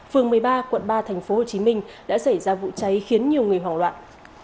phường một mươi ba quận ba tp hcm đã xảy ra vụ cháy khiến nhiều người hoảng loạn